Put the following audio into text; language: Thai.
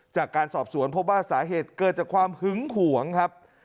จากการสอบสวนพบว่าสาเหตุเกิดจากความหึงหวงครับ